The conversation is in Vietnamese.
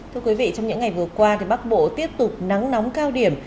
thưa quý vị trong những ngày vừa qua thì bắc bộ tiếp tục nắng nóng cao điểm